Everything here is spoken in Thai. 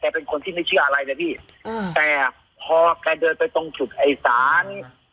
เป็นคนที่ไม่เชื่ออะไรเลยพี่อืมแต่พอแกเดินไปตรงจุดไอ้สาร